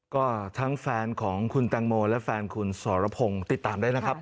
ก็ทั้งแฟนของคุณแตงโมและแฟนคุณสรพงศ์ติดตามได้นะครับ